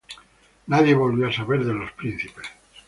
Nadie volvió a saber de los príncipes.